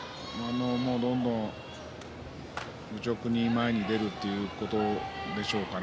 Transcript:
もう、どんどん愚直に前に出るということでしょうから。